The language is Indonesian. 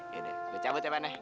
gue cabut ya pane